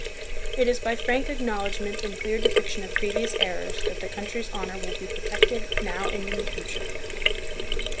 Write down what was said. It is by frank acknowledgment and clear depiction of previous errors that the country's honor will be protected now and in the future.